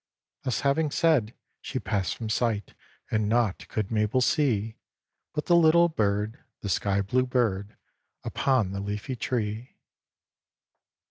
Thus having said, she passed from sight, And naught could Mabel see, But the little bird, the sky blue bird, Upon the leafy tree.